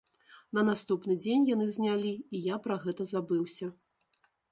На наступны дзень яны знялі, і я пра гэта забыўся.